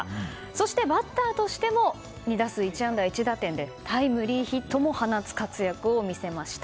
そして、バッターとしても２打数１安打１打点でタイムリーヒットを放つ活躍を見せました。